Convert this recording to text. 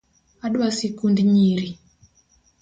Adwa sikund nyiri